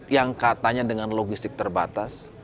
yang katanya dengan logistik terbatas